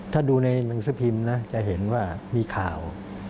ถ้าดูในหนังสือพิมพ์นะจะเห็นว่ามีข่าว